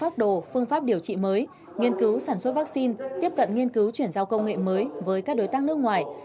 trị mới nghiên cứu sản xuất vaccine tiếp cận nghiên cứu chuyển giao công nghệ mới với các đối tác nước ngoài